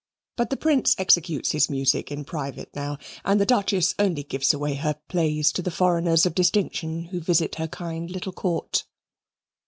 But the Prince executes his music in private now, and the Duchess only gives away her plays to the foreigners of distinction who visit her kind little Court.